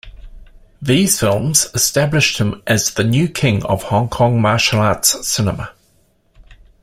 These films established him as the "new king" of Hong Kong martial arts cinema.